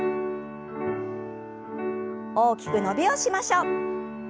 大きく伸びをしましょう。